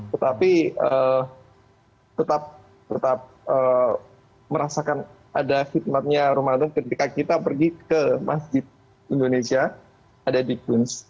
tetapi tetap merasakan ada khidmatnya ramadan ketika kita pergi ke masjid indonesia ada di queens